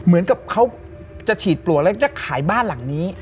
เหมือนกับเขาจะฉีดปลวกแล้วจะขายบ้านหลังนี้